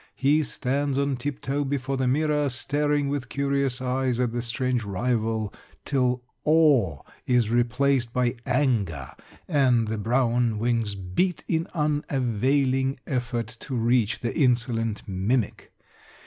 He stands on tiptoe before the mirror, staring with curious eyes at the strange rival till awe is replaced by anger and the brown wings beat in unavailing effort to reach the insolent mimic.